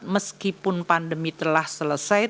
meskipun pandemi telah selesai